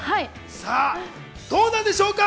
さあ、どんなんでしょうか？